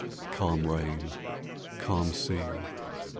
Calm rain! Calm sea!